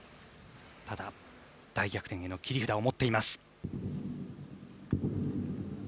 ただ、大逆転への切り札を持っています。